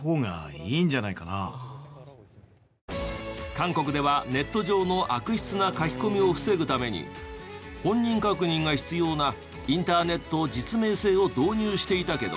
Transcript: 韓国ではネット上の悪質な書き込みを防ぐために本人確認が必要なインターネット実名制を導入していたけど。